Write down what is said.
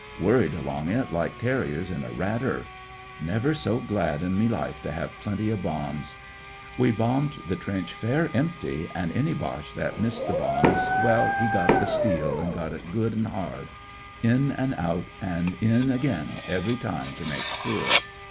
Worried along it, like terriers in a rat earth. Never so glad in me Ufe to have plenty of bombs. We bombed the trer Tair empty; an' any Boehe that missed the bombs, well, he got the steel, an' got it good an' hard; in an' out, an' in again every time, to make sure.